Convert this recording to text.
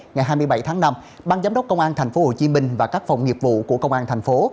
ngày hai mươi bảy tháng năm ban giám đốc công an tp hcm và các phòng nghiệp vụ của công an thành phố